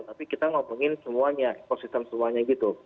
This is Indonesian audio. tapi kita ngomongin semuanya ekosistem semuanya gitu